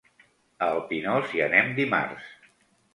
A el Pinós hi anem dimarts.